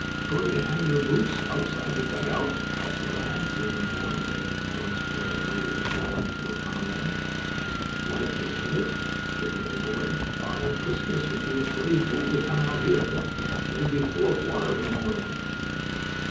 "Going to hang your boots up outside the dugout?" asked a lad, grinning down at an enormous pair of waders belonging to a comrade. "Likely, ain't it?" said the other boy. "Father Christmas would be a bloody fool to come out here... They'd be full of water in the morning."